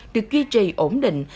được duy trì ổn định